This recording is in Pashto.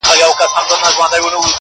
• چي لږ مخکي له بل ځایه وو راغلی -